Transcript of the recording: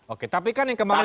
oke tapi kan yang kemarin